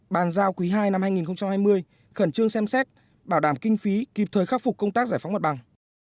bàn giao quý ii năm hai nghìn hai mươi khẩn trương xem xét bảo đảm kinh phí kịp thời khắc phục công tác giải phóng mặt bằng